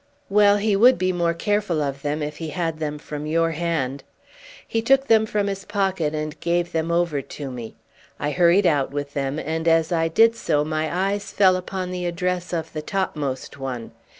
"Well, he would be more careful of them if he had them from your hand." He took them from his pocket and gave them over to me. I hurried out with them, and as I did so my eyes fell upon the address of the topmost one.